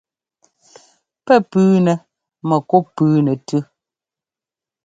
Pɛ́ pʉʉnɛ mɛkup pʉʉ nɛ́ tʉ́.